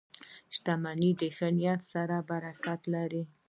• شتمني د ښه نیت سره برکت لري.